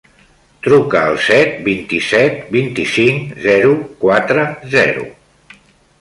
Truca al set, vint-i-set, vint-i-cinc, zero, quatre, zero.